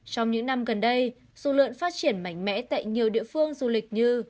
trong những năm gần đây dù lượn phát triển mạnh mẽ tại nhiều địa phương du lịch như